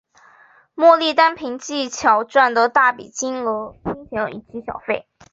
莫莉单凭技巧赚得大笔金钱及小费。